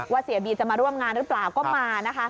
เสียบีจะมาร่วมงานหรือเปล่าก็มานะคะ